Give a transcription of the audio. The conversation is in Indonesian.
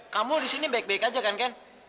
kamu di sini baik baik aja kan kan